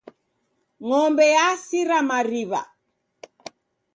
Ng'ombe yasira mariw'a.